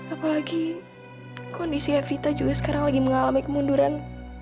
apalagi kondisi evita juga sekarang lagi mengalami kemunduran